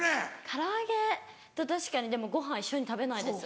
唐揚げと確かにでもご飯一緒に食べないです。